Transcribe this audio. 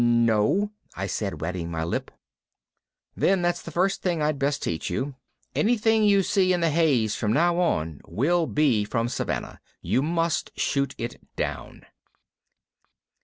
"No," I said, wetting my lip. "Then that's the first thing I'd best teach you. Anything you see in the haze from now on will be from Savannah. You must shoot it down."